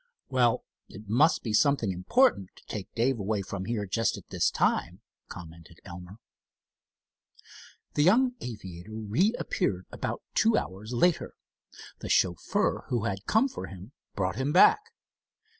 "Well, it must be something important to take Dave away from here at just this time," commented Elmer. The young aviator reappeared about two hours later. The chauffeur who had come for him brought him back.